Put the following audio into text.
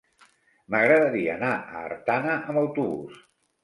M'agradaria anar a Artana amb autobús.